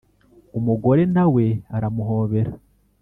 umugore na we aramuhobera,